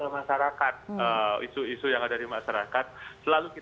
mungkin juga perhatian penuh kepada kepercayaan publik ini